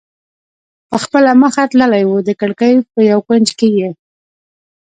په خپله مخه تللی و، د کړکۍ په یو کونج کې یې.